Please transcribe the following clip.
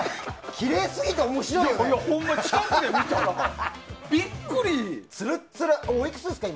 きれいすぎて面白いよね。